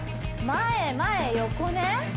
前前横ね